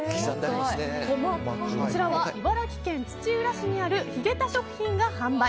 こちらは茨城県土浦市にあるひげた食品が販売。